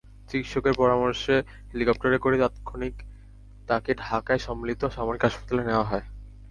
চিকিৎসকদের পরামর্শে হেলিকপ্টারে করে তাৎক্ষণিক তাঁকে ঢাকায় সম্মিলিত সামরিক হাসপাতালে নেওয়া হয়।